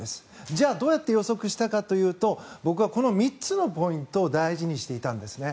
じゃあ、どうやって予測したかというと僕はこの３つのポイントを大事にしていたんですね。